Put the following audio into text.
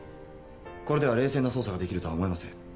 これでは冷静な捜査ができるとは思えません。